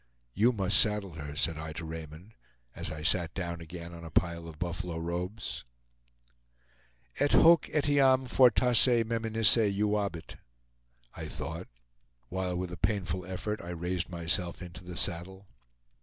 "You must saddle her," said I to Raymond, as I sat down again on a pile of buffalo robes: "Et hoec etiam fortasse meminisse juvabit." I thought, while with a painful effort I raised myself into the saddle.